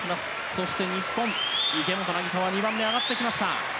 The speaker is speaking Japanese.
そして日本、池本凪沙は２番目上がってきました。